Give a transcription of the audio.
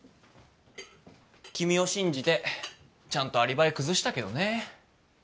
君を信じてちゃんとアリバイ崩したけどね。